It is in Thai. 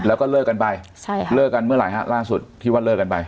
แล้วก็เลิกกันไปใช่ค่ะเลิกกันเมื่อไหร่ฮะล่าสุดที่ว่าเลิกกันไป